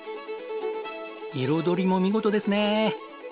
彩りも見事ですねえ！